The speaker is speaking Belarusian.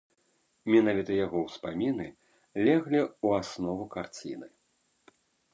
Менавіта яго ўспаміны леглі ў аснову карціны.